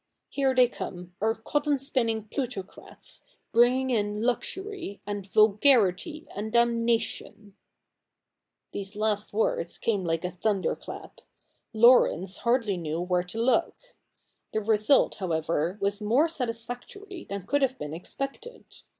Here they come, our cotton spin?ii?ig plutocrats, bringifig in luxury, and vulgarity, and damna tion !' These last words came like a thunder clap. Laurence hardly knew where to look. The result, however, was more satisfactory than could have been expected.